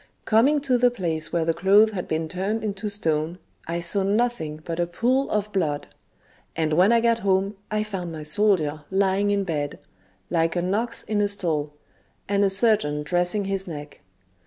Coming to the place where the clothes had been turned into stone, I saw nothing but a pool of blood; and when I got home, I found my soldier lying in bed, like an ox in a stall, and a surgeon dressing his neck.